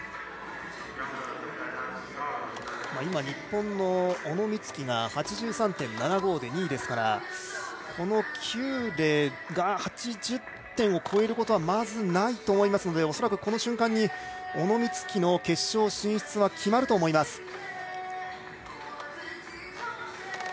日本の小野光希が８３．７５で２位ですから邱冷が８０点を超えることはまずないと思いますので恐らくこの瞬間に小野光希の決勝進出は決まると思います。